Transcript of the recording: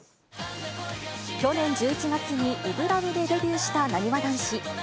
去年１１月に初心ＬＯＶＥでデビューしたなにわ男子。